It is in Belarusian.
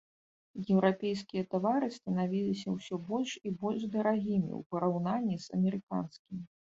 Еўрапейскія тавары станавіліся ўсё больш і больш дарагімі ў параўнанні з амерыканскімі.